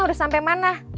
udah sampe mana